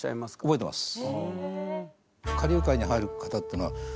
覚えてます。